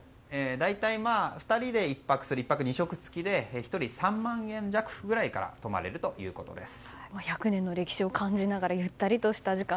大体、２人で１泊２食付で１人３万円弱ぐらいから泊まれるということです。